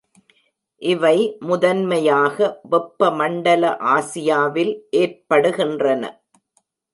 இவை முதன்மையாக வெப்பமண்டல ஆசியாவில் ஏற்படுகின்றன.